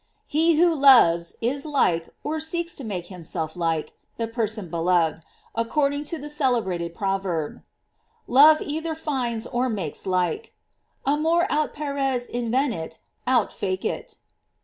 "* He who loves, is like, or seeks to make himself like, the person beloved, according to the celebrated prov erb: Love either finds or makes like: "Amor aut pares invenit aut facit."